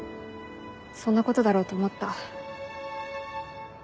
そんなことだろうと思った。